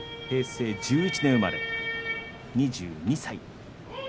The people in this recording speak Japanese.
平成１１年生まれ２２歳。